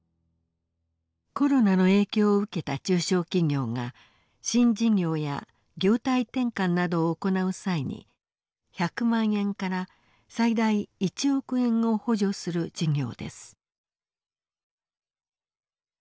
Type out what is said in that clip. コロナの影響を受けた中小企業が新事業や業態転換などを行う際に１００万円から最大１億円を補助する事業です。